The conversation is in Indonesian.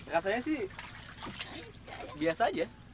rasanya sih biasa aja